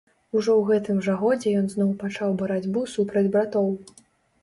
Ужо ў гэтым жа годзе ён зноў пачаў барацьбу супраць братоў.